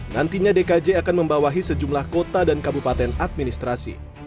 nantinya dkj akan membawahi sejumlah kota dan kabupaten administrasi